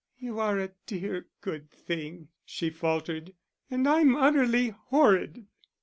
"You are a dear, good thing," she faltered, "and I'm utterly horrid."